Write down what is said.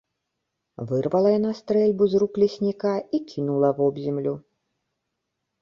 Вырвала яна стрэльбу з рук лесніка і кінула вобземлю.